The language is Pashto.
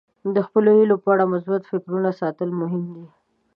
د خپلو هیلو په اړه مثبت فکرونه ساتل مهم دي.